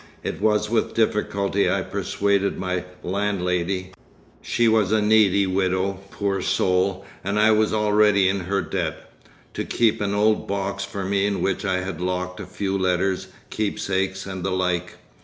'It was with difficulty I persuaded my landlady—she was a needy widow, poor soul, and I was already in her debt—to keep an old box for me in which I had locked a few letters, keepsakes, and the like.